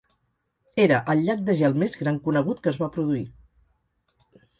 Era el llac de gel més gran conegut que es va produir.